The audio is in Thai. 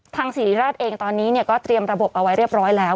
ศรีริราชเองตอนนี้ก็เตรียมระบบเอาไว้เรียบร้อยแล้ว